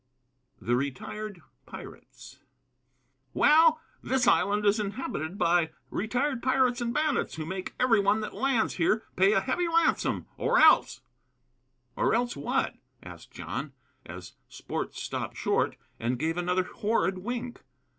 [Illustration: THE RETIRED PIRATES] "Well, this island is inhabited by retired pirates and bandits, who make every one that lands here pay a heavy ransom, or else " "Or else what?" asked John, as Sport stopped short and gave another horrid wink.